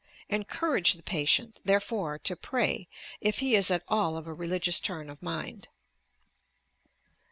Encourage the patient, therefore, to pray, if he is at all of a religious turn of mind.